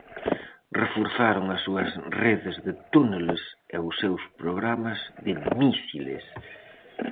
Reforzaron as súas redes de túneles e os seus programas de mísiles.